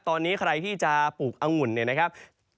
ตอนนี้ใครที่จะปลูกอังุ่นเนี่ยนะครับ